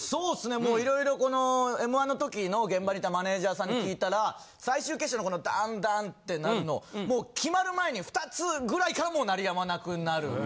もう色々この『Ｍ−１』の時の現場にいたマネジャーさんに聞いたら最終決勝のこのダンダンって鳴るのもう決まる前に２つぐらいからもう鳴り止まなくなる。